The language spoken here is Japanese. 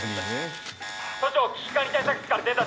都庁危機管理対策室から伝達